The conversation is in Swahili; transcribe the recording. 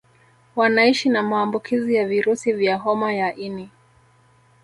Wanaishi na maambukizi ya virusi vya homa ya ini